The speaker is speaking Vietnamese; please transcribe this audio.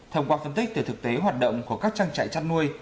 thông qua phân tích từ thực tế hoạt động của các trang trại chăn nuôi